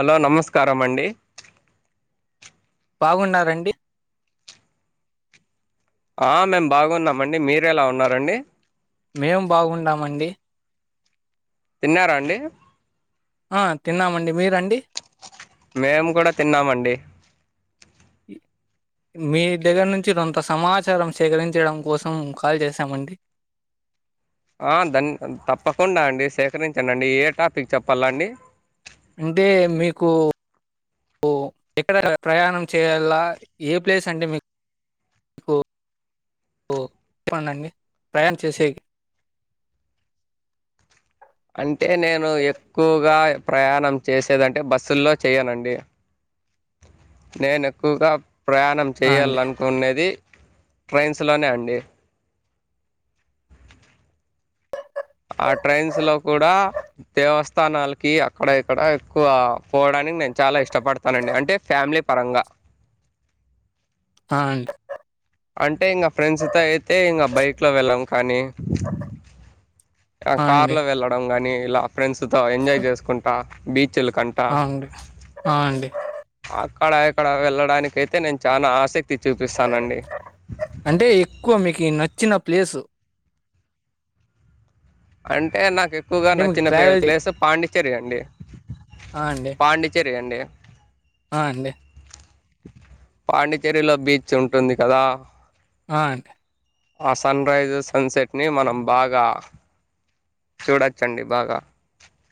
Hello నమస్కారం అండి బాగున్నారండి ఆ మేము బాగున్నామండి మీరేలా ఉన్నరండి మేం బాగున్నామండి తిన్నారా అండి ఆ తిన్నామండి మీరండి మేము కూడా తిన్నామండి ఇ మీ దగ్గర నుంచి కొంత సమాచారం సేకరించడం కోసం కాల్ చేసామండి [inaudible] దన్ తప్పకుండా అండి సేకరించండి ఏ టాపిక్ చెప్పాలా అండి అంటే మీకు ఓ ఎక్కడ ప్రయాణం చేయలా ఏ ప్లేస్ అంటే మీక్ కున్ని ప్రయాణం చేసేక్ [inaudible] అంటే నేను ఎక్కువగా ప్రయాణం చేసేదంటే బస్సుల్లో చెయనండి [inaudible] నేను ఎక్కువగా ప్రయాణం ఆ అండి చేయాలనుకునేది ట్రైన్స్లోనే అండి ఆ ట్రైన్స్లో కూడా దేవస్థానాలకి అక్కడ ఇక్కడ ఎక్కువ పోవడానికి నేను చాలా ఇష్టపడతానండి అంటే ఫ్యామిలీ పరంగా ఆ అండి అంటే ఇంగ ఫ్రెండ్స్తో అయితే ఇంగ బైక్ లో వెళ్ళాం కానీ ఆ కార్ అండి లో వెళ్ళడం గాని ఇలా ఫ్రెండ్స్ తో ఎంజాయ్ చేసుకుంటా బీచ్ ఆ అండి ఆ అండి అక్కడ ఇక్కడ వెళ్ళడానికి అయితే నేను చాల ఆసక్తి చూపిస్తానండి అంటే ఎక్కువ మీకు నచ్చిన ప్లేసు అంటే నాకు ఎక్కువగా అంటే మీకు నచ్చిన ప్లేస్ పాండిచ్చేరి అండి అ అండి తే అండి ఆ అండి పాండిచ్చేరిలో బీచ్ ఉంటుంది కదా ఆ అండి ఆ సన్ రైజ్ ని సన్సెట్ ని మనం బాగా చూడొచ్చండి బాగా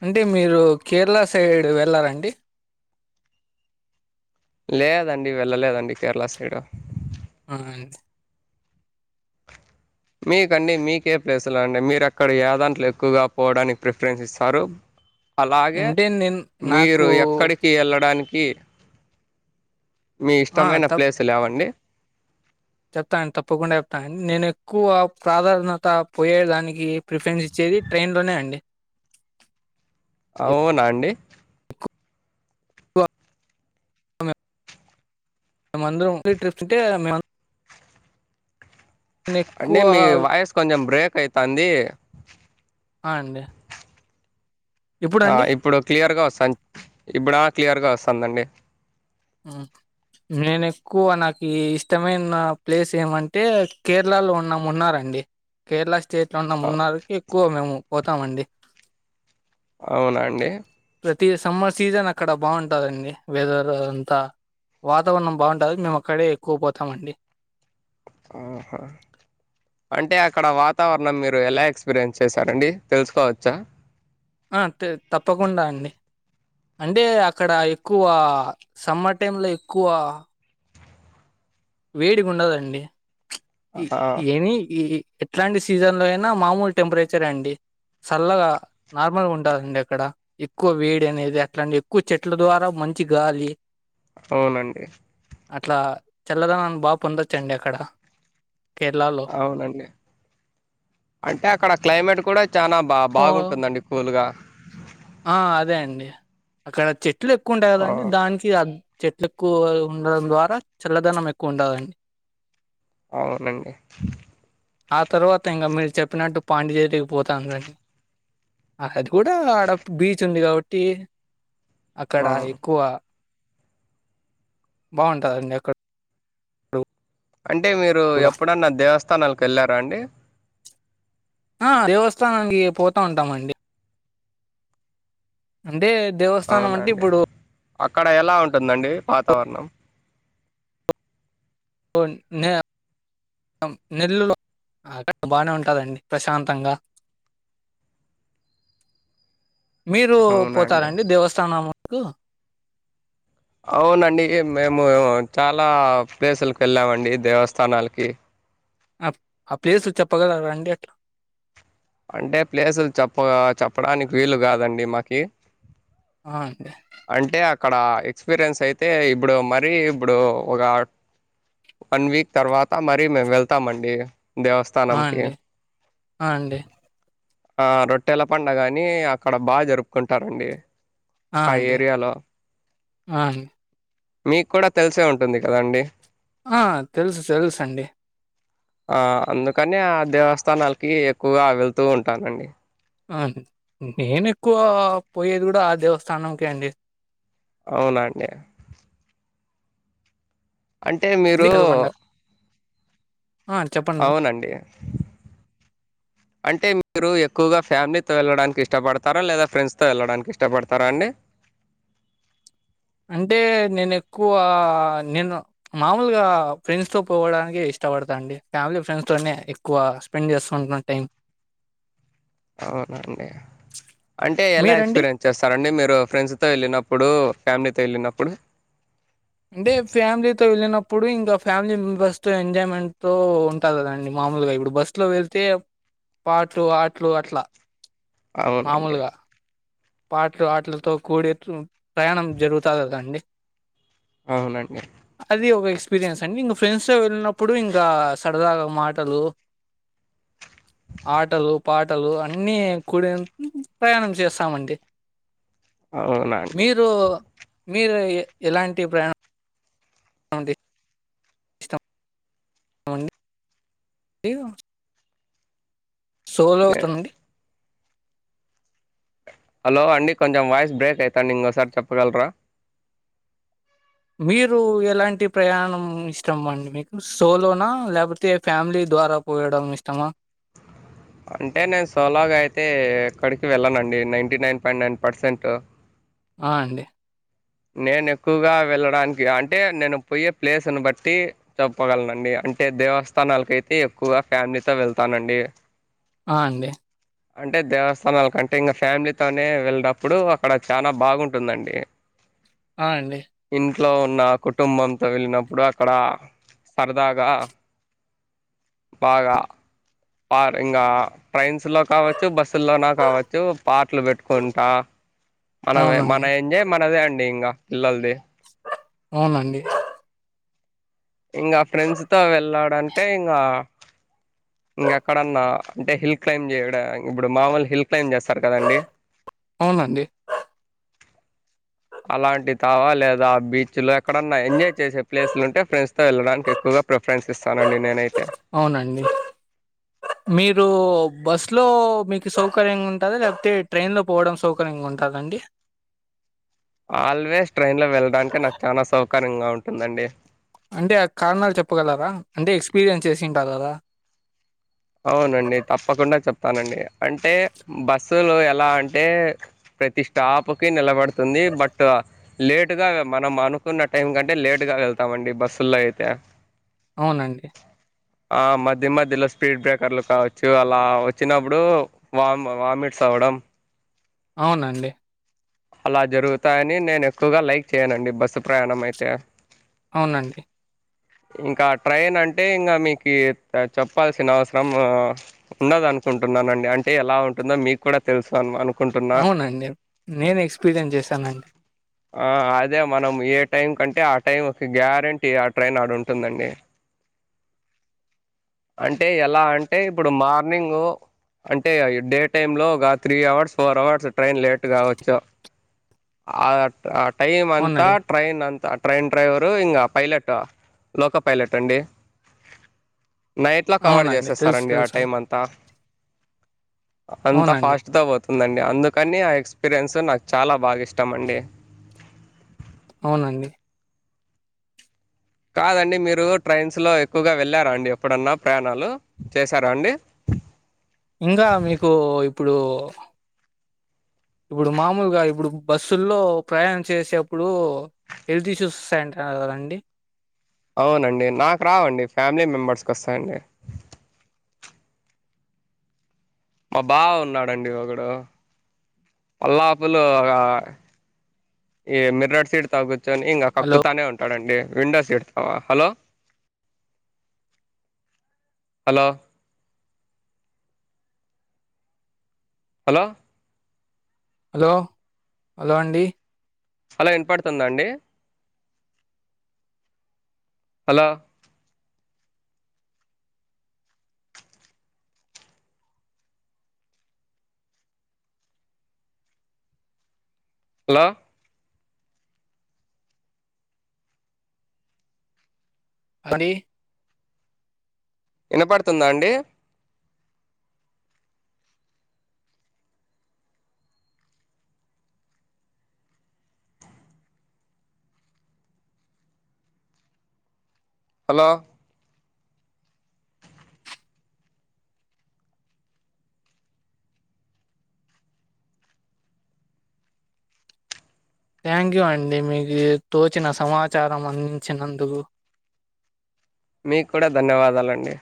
అంటే మీరు కేరళ సైడ్ వెళ్ళారంాండి లేదండి వెళ్ళలేదండి కేరళ సైడ్ అ అం మీకండి మీకే ప్లేసులో అండి మీరు అక్కడ ఏదాంట్లు ఎక్కువగా పోవడానికి ప్రిఫరెన్స్ ఇస్తారు అలాగే అంటే నేను నాకు మీరు ఎక్కడికి వెళ్ళడానికి ఈ మీ ఇష్టమైన ప్లేస్ లేవండి చెప్తానండి తప్పకుండా చెప్తానండి నేను ఎక్కువ ప్రాధాన్యత పోయే దానికి ప్రిఫరెన్స్ ఇచ్చే ట్రైన్ లోనే అండి అవునా అండి ఎక్కువ మేమందరం [unintelligible] అంటే ఎక్కువ మీ వాయిస్ కొంచెం బ్రేక్ అయితాంది అ అండి ఆ ఇప్పుడు క్లియర్ గా వస్తాంది ఇప్పుడా క్లియర్గా వస్తాదండి అ నేను ఎక్కువ నాకు ఇష్టమైన ప్లేస్ ఏమంటే కేరళలో ఉన్నా మున్నారండి కేరళ స్టేట్లో ఉన్న మున్నరికి ఎక్కువ మేము పోతామండి అవునా అండి ప్రతి సమ్మర్ సీజన్ అక్కడ బాగుంటందండి వెదర్ అదంత వాతావరణం బాగుంటాది మేము అక్కడే ఎక్కువ పోతామండి ఆహ అంటే అక్కడ వాతావరణం మీరు ఎలా ఎక్స్పీరియన్స్ చేశారండి తెలుసుకోవచ్చా ఆ తే తప్పకుండా అండి అంటే అక్కడ ఎక్కువ సమ్మర్ టైమ్ లో ఎక్కువ వేడిగా ఉన్నదండి ఈ ఆ! ఏమి ఎట్లాంటి సీజన్ లో అయినా మామూలు టెంపరేచర్ అండి చల్లగా నార్మల్ గా ఉంటాదండి అక్కడ ఎక్కువ వేడి అనేది అట్లాంని ఎక్కువ చెట్ల ద్వారా పచ్చి గాలి అవునండి అట్లా చల్లదానిని బాగా పొందొచ్చండి అక్కడ కేరళలో. అవునండి అంటే అక్కడ క్లైమేట్ కూడా చానా బా ఓహ్! బాగుంటుందండి కూల్గా ఆ అదే అండి అక్కడ చెట్లు ఎక్కువుంటాయి ఆ కదండి దానికి అ చెట్లు ఎక్కువ ఉండడం ద్వారా చల్లదనం ఎక్కువ ఉండాదండి అవునండి ఆ తర్వాత ఇంకా మీరు చెప్పినట్టు పాండిచెర్రీ కి పోత అన్నది అది కూడా ఆడ బీచ్ ఉంది కాబట్టి అక్కడ ఆ ఎక్కువ బాగువుంటాదండి అక్కడ అంటే మీరు కూడా ఎప్పుడన్నా దేవస్థానాలకు వెళ్ళారా అండి ఆ దేవస్థానానికి పోతా ఉంటామండి అంటే దేవస్థానం అంటే అవునండి ఇప్పుడు అక్కడ ఎలా ఉంటుందండి వాతావరణం [unintelligible] నెల్లూలో బానే ఉంటాదండి ప్రశాంతంగా మీరు అవునండి పోతారండి దేవస్థానముకు అవునండి మేము చాలా ప్లేసులకి వెళ్ళామండి దేవస్థానాలకి ఆ ఆ ప్లేస్ చెప్పగల రండి అట్లా అంటే ప్లేసులు చెప్ప చెప్పడానికి వీలు కాదండి మాకి ఆహ్ అండి. అంటే అక్కడ ఎక్స్పీరియన్స్ అయితే ఇప్పుడు మరీ ఇప్పుడు ఒక. వన్ వీక్ తర్వాత మరి మేము వెళ్తామండి. ఆ దేవస్థానంకి అండి ఆ అండి ఆహ్ రొట్టెల పండుగని అక్కడ బాగా జరుపుకుంటారండి. ఆ అంటే ఏరియాలో ఆహ్. మీకు కూడా తెలిసే ఉంటుంది కదా అండి. ఆహ్ తెలుసు తెలుసు అండి. ఆహ్ అందుకనే ఆ దేవస్థానాలకి ఎక్కువగా వెళ్తూ ఉంటానండి. ఆహ్ నేను ఎక్కువ పోయేది కూడా ఆ దేవస్థానంకే అండి. అవునా అండి. మీరు పీర్ల పండక్ ఆహ్ చెప్పండి. అవునండి అంటే మీరు ఎక్కువగా ఫ్యామిలీతో వెళ్ళడానికి ఇష్టపడతారా లేదా ఫ్రెండ్స్తో వెళ్ళడానికి ఇష్టపడతారా అండి. అంటే నేను ఎక్కువ నేను మామూలుగా ఫ్రెండ్స్ తో పోవడానికే ఇష్టం. ఇష్టపడతాండి ఫ్యామిలీ ఫ్రెండ్స్ తోనే ఎక్కువ స్పెండ్ చేస్తా ఉంటున్నా టైం. అవునండి. అంటే ఎలా మీరండి? ఎక్స్పీరియన్స్ చేస్తారండి మీరు ఫ్రెండ్స్ తో వెళ్ళినప్పుడు ఫ్యామిలీ. వేళ్ళినప్పుడు. అంటే ఫ్యామిలీతో వెళ్ళినప్పుడు ఇంకా ఫ్యామిలీ మెంబర్స్ తో ఎంజాయ్మెంట్ తో ఉంటారు కదండి మా. మామూలుగా ఇప్పుడు బస్ లో వెళ్తే పాటలు ఆటలు అట్లా. అవునండి. మామూలుగా. పాటలు ఆటలతో కూడేట్లు ప్రయాణం జరుగుతది కాదండి. అవునండి. ఎక్స్పీరియన్స్ అన్ని ఇంక ఫ్రెండ్స్తో వెళ్ళినప్పుడు ఇంకా సరదాగా మాటలు. ఆటలు పాటలు అన్ని కూడి ప్రయాణం చేస్తామండి. అవును అండి. మీరు మీరు ఎ ఎలాంటి ప్రయాణం. అండి. అవునండి. ఆహ్. సోలో నే అవుతమండి. హలో అండి కొంచెం వాయిస్ బ్రేక్ అయితాంది ఇంకోసారి చెప్పగలరా. మీరు ఎలాంటి ప్రయాణం ఇష్టం అండి మీకు సోలోనా లేకపోతే ఫ్యామిలీ. సోలో పోవడం ఇష్టమా. అంటే నేను సోలోగా అయితే ఎక్కడికి వెళ్ళానండి ninety nine point nine percent. ఆహ్ అండి. నేను ఎక్కువగా వెళ్ళడానికి అంటే నేను పోయే ప్లేస్ని బట్టి చెప్పగను అండి ఆహ్. అంటే దేవస్థానాలకు అయితే ఎక్కువగా ఫ్యామిలీతో వెళ్తానండి. ఆహ్ అండి. అంటే దేవస్థానాల కంటే ఇంకా ఫ్యామిలీతోనే వెళ్ళినప్పుడు అక్కడ చానా బాగుంటుందండి. ఆహ్ అండి. లో నా కుటుంబంతో వెళ్ళినప్పుడు అక్కడ సరదాగా. బాగా ఆడ ఇంగ. ట్రైన్స్ లో కావచ్చు బస్సుల్లో కావచ్చు పాటలు పెట్టుకుంటా అలాగ మన అవునండి ఏంజయ్ మనదే అండి ఇంకా పిల్లలది అవునండి ఇంకా ఫ్రెండ్స్ తో వెళ్ళాడంటే ఇంగ ఇంకా అక్కడన్నా అంటే హిల్ క్లైంమ్ చేయడం ఇప్పుడు మామూలు హిల్ ప్లెన్ చేస్తారు కదండి అవునండి అలాంటి తావా లేదా బీచ్ లో అక్కడన్నా ఎంజాయ్ చేసే ప్లేస్లు ఉంటే ఫ్రెండ్స్తో వెళ్లడానికి ఎక్కువగా ప్రిఫరెన్స్ ఇస్తానండి నేనైతే మీరు ఇంట్లో మీకు సౌకర్యంగా ఉంటద లేకపోతే ట్రైన్లో పోవడం సౌకర్యంగా ఉంటదండి ఆల్వేస్ ట్రైన్ లో వెళ్ళడానికే నాకు చాలా సౌకర్యంగా ఉంటుందండి అంటే ఆ కారణాలు చెప్పగలరా అంటే ఎక్స్పీరియన్స్ చేసింటారు కదా అవునండి తప్పకుండా చెప్తానండి అంటే బస్ బస్సులు ఎలా అంటే ప్రతి స్టాప్ కి నిలబడుతుంది బట్ లేటుగా వే మనం అనుకున్న టైం కంటే లేట్గా వెళ్తామండి బస్సుల్లో అయితే అవునండి ఆ మద్యమద్యలో స్పీడ్ బ్రేకర్లు కావచ్చు అలా వచ్చినప్పుడు వా వామిట్స్ అవ్వడం అవునండి అలా జరుగుతాయని నేను ఎక్కువగా లైక్ చేయనండి బస్సు ప్రయాణం అయితే అవునండి ఇంకా ట్రైన్ అంటే ఇంకా మీకు చెప్పాల్సిన అవసరం ఉండదనుకుంటుననండీ అంటే ఎలా ఉంటుందో మీకు కూడా తెలుసు అనను అవునండి నేను ఎక్స్పీరియన్స్ చేశానండి ఆ అదే మనం ఏ టైం కంటే ఆ టైం గ్యారంటీ ఆ ట్రైన్ ఆ ఉంటుందండి అంటే ఎలా అంటే ఇప్పుడు మార్నింగ్ అంటే డే టైంలో ఒక three hours four hours train late కావచ్చు ఆ ఆ టైం అంతా అవునండి. ట్రైన్ అంతా ట్రైన్ డ్రైవరు ఇంకా పైలట్ లోకో పైలట్ అండి నైట్లో కవర్ అవునండి. తెలుసు చేసేస్తారండి ఆ టైం తెలుసండి. అంతా అంత అవునండి. ఫాస్ట్ తో పోతుందండి అందుకని ఆ ఎక్స్ పిరియన్స్ నాకు చాలా బాగా ఇష్టం అండి అవునండి కాదండి మీరు ట్రైన్స్ లో ఎక్కువగా వెళ్ళారా అండి ఎప్పుడన్నా ప్రయాణాలు చేసారా అండి ఇంకా మీకు ఇప్పుడు ఇప్పుడు మామూలుగా ఇప్పుడు బస్సుల్లో ప్రయాణం చేసేప్పుడు హెల్త్ ఇష్యూస్ ఏం కదండి అవునండి నాకు రావండి ఫ్యామిలీ మెంబర్స్క్ వస్తాయండి మా బావ ఉన్నాడండి ఒకడు మల్లాపులు ఈ మిర్రర్ సైడ్ కూర్చొని ఇంక హలో! కక్కుతానే ఉంటాడండి windows seat hello hello hello hello hello అండి హలో ఇనపడుతుందాండి హలో హలో పని ఇనపడుతుందా అండి హలో థ్యాంక్ యూ అండి మీకు తోచిన సమాచారం అందించినందుకు మీకు కూడా ధన్యవాదాలండి